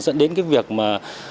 dẫn đến cái việc mà